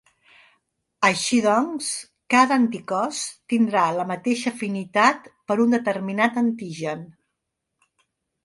Així doncs, cada anticòs tindrà la mateixa afinitat per a un determinat antigen.